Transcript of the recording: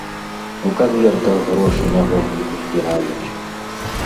У канвертах грошы нягодніку збіраюць!